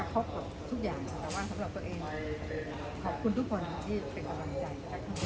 ขอบคุณทุกคนนะที่เป็นไฟมันใหญ่